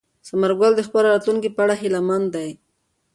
ثمر ګل د خپل راتلونکي په اړه هیله من دی.